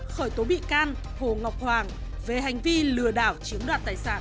khởi tố bị can hồ ngọc hoàng về hành vi lừa đảo chiếm đoạt tài sản